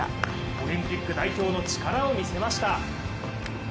オリンピック代表の力を見せました。